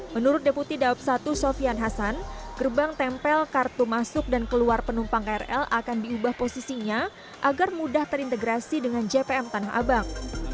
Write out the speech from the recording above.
menurut deputi daob satu sofian hasan gerbang tempel kartu masuk dan keluar penumpang krl akan diubah posisinya agar mudah terintegrasi dengan jpm tanah abang